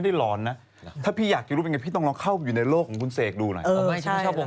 แต่เรียกนึงเป็นระยะระยะนะคะ